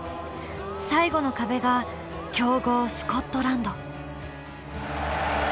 最後の壁が強豪スコットランド。